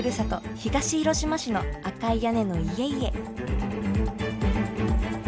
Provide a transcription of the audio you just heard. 東広島市の赤い屋根の家々。